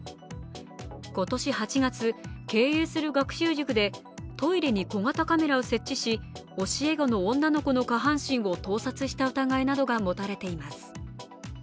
今年８月、経営する学習塾でトイレに小型カメラを設置し教え子の女の子の下半身を盗撮した疑いなどが持たれています。